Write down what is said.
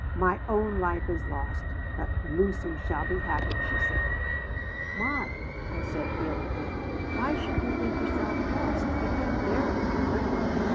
"My own life is lost, but Lucy shall be happy," she said "Why?" I said, feelingly. "Why should you think yourself lost? I can't bear it, Dora."